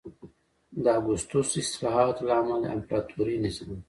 د اګوستوس اصلاحاتو له امله امپراتوري نظام